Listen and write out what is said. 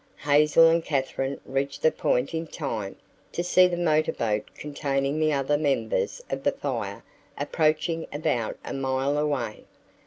Hazel and Katherine reached the Point in time to see the motorboat containing the other members of the Fire approaching about a mile away.